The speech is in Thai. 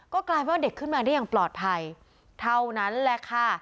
ก็กลายเป็นว่าเด็กขึ้นมาได้อย่างปลอดภัยเท่านั้นแหละค่ะ